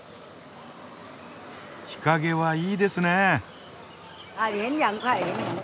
日陰はいいですね。